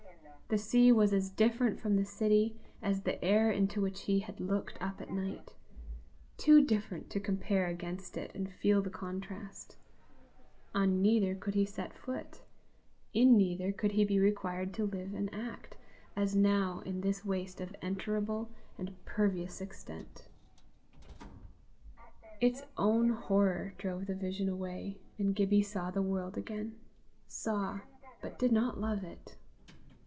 The sea was as different from the city as the air into which he had looked up at night too different to compare against it and feel the contrast; on neither could he set foot; in neither could he be required to live and act as now in this waste of enterable and pervious extent. Its own horror drove the vision away, and Gibbie saw the world again saw, but did not love it.